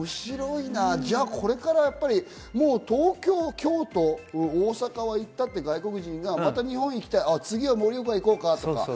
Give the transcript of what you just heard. これから東京、京都、大阪は行ったって外国人が、また日本に行きたい、次は盛岡に行こうかとか。